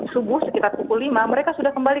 subuh sekitar pukul lima mereka sudah kembali